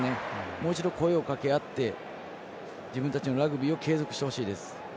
もう一度、声をかけあって自分たちのラグビーを継続してほしいです。